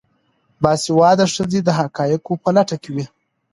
باسواده ښځې د حقایقو په لټه کې وي.